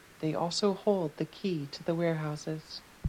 They also hold the key to the warehouses.